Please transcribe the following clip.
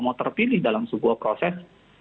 mau terpilih dalam sebuah proses